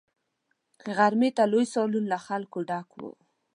غرمې ته لوی سالون له خلکو ډک وو.